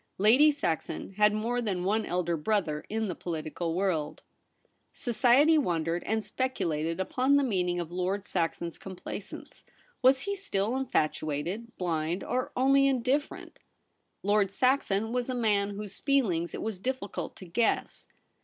Lady Saxon had more than one elder brother in the political world. ROLFE BELLARMIN. 209 Society wondered and speculated upon the meaning of Lord Saxon's complaisance. Was he still infatuated, blind, or only in different ? Lord Saxon was a man whose feelings it was difficult to guess.